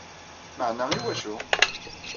Meɛna iwacu?